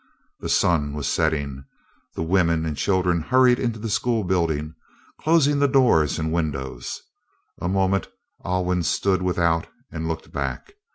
The sun was setting. The women and children hurried into the school building, closing the doors and windows. A moment Alwyn stood without and looked back.